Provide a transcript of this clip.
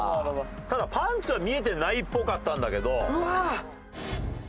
ただパンツは見えてないっぽかったんだけど。